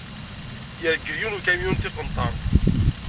Yergel yiwen ukamyun tiqenṭert.